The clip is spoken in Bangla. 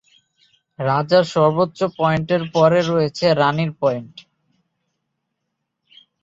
রাজার সর্বোচ্চ পয়েন্টের পরে রয়েছে রানির পয়েন্ট।